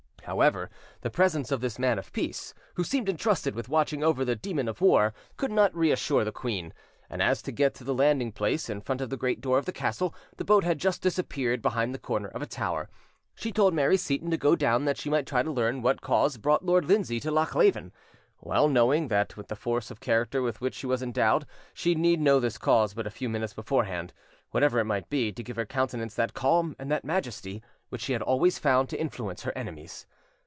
However, the presence of this man of peace, who seemed entrusted with watching over the demon of war, could not reassure the queen, and as to get to the landing place, in front of the great door of the castle, the boat had just disappeared behind the corner of a tower, she told Mary Seyton to go down that she might try to learn what cause brought Lord Lindsay to Lochleven, well knowing that with the force of character with which she was endowed, she need know this cause but a few minutes beforehand, whatever it might be, to give her countenance that calm and that majesty which she had always found to influence her enemies.